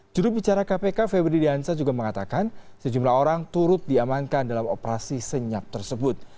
jurubicara kpk febri diansa juga mengatakan sejumlah orang turut diamankan dalam operasi senyap tersebut